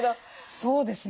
そうですね。